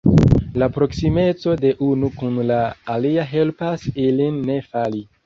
La proksimeco de unu kun la alia helpas ilin ne fali.